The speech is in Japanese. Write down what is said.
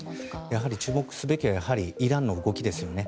やはり注目すべきはイランの動きですよね。